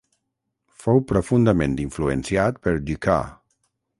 Fou profundament influenciat per Dukas.